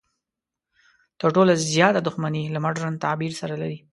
تر ټولو زیاته دښمني له مډرن تعبیر سره لري.